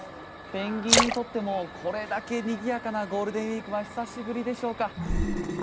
ペンギンにとってもこれだけにぎやかなゴールデンウィークは久しぶりでしょうか。